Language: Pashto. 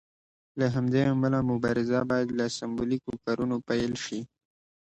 له همدې امله مبارزه باید له سمبولیکو کارونو پیل شي.